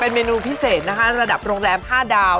เมนูพิเศษนะคะระดับโรงแรม๕ดาว